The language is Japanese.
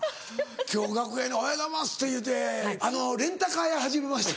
今日楽屋で「おはようございます」って言うて「あのレンタカー屋始めました」